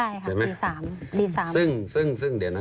ยังยังยัง